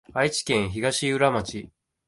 愛知県東浦町